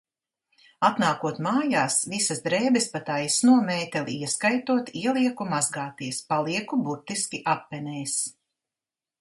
Atnākot mājās, visas drēbes pa taisno, mēteli ieskaitot, ielieku mazgāties, palieku burtiski apenēs.